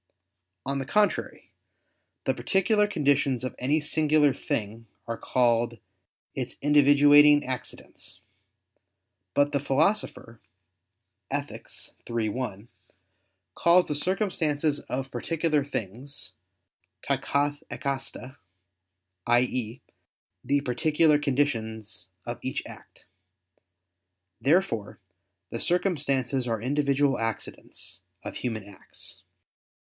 On the contrary, The particular conditions of any singular thing are called its individuating accidents. But the Philosopher (Ethic. iii, 1) calls the circumstances particular things [*_ta kath' ekasta_], i.e. the particular conditions of each act. Therefore the circumstances are individual accidents of human acts.